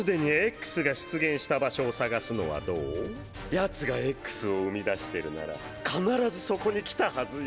奴がＸを生み出してるなら必ずそこに来たはずよ？